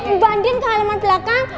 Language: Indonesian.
mbak andien ke halaman belakang